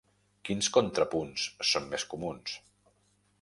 Quins contrapunts són més comuns?